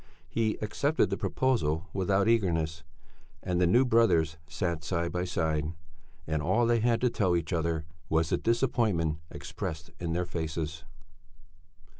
He accepted the proposal without eagerness. And the new brothers sat side by side, and all they had to tell each other was the disappointment expressed in their faces.